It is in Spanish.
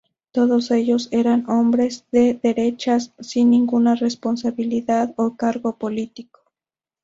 Todos ellos eran hombres de derechas sin ninguna responsabilidad o cargo político.